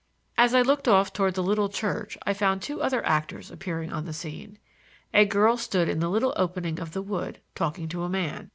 As I looked off toward the little church I found two other actors appearing on the scene. A girl stood in a little opening of the wood, talking to a man.